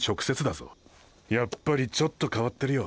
やっぱりちょっと変わってるよ